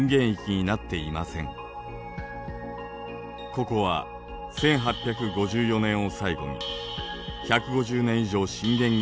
ここは１８５４年を最後に１５０年以上震源になっていない